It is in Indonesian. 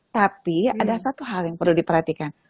tapi ada satu hal yang perlu diperhatikan